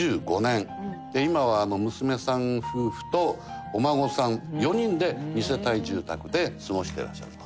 今は娘さん夫婦とお孫さん４人で２世帯住宅で過ごしてらっしゃると。